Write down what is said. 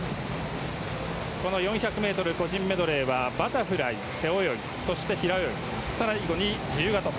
この４００ｍ個人メドレーはバタフライ、背泳ぎ、平泳ぎ最後に自由形。